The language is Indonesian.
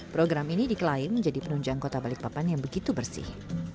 program ini diklaim menjadi penunjang kota balikpapan yang begitu bersih